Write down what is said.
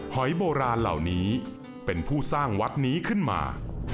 หอยโบราณเหล่านี้เป็นผู้สร้างวัดนี้ขึ้นมา